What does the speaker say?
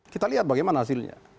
kita lihat bagaimana hasilnya